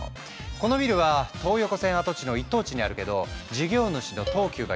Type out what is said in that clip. このビルは東横線跡地の一等地にあるけど事業主の東急が呼びかけ